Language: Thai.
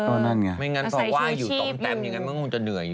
ไม่งั้นเขาไหว้อยู่ตรงเต็มอย่างงั้นมันคงจะเหนื่อยอยู่